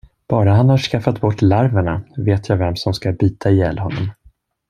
Bara han har skaffat bort larverna, vet jag vem som ska bita ihjäl honom.